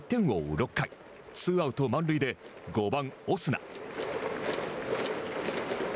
６回ツーアウト、満塁で５番オスナ。